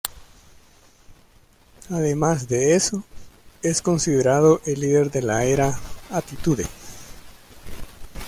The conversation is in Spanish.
Además de eso, es considerado el líder de la Era Attitude.